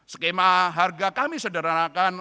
skema harga kami sederhanakan